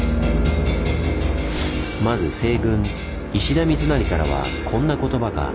まず西軍石田三成からはこんな言葉が。